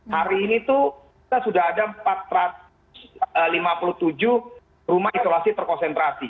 hari ini tuh kita sudah ada empat ratus lima puluh tujuh rumah isolasi terkonsentrasi